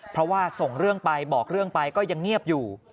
เพราะว่าส่งเรื่องไปบอกเรื่องไปก็ยังเงียบอยู่